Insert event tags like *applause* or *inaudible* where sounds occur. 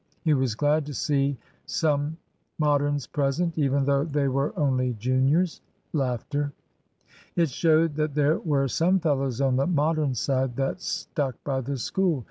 He was glad to see some Moderns present, even though they were only juniors. *laughs* It showed that there were some fellows on the Modern side that stuck by the School.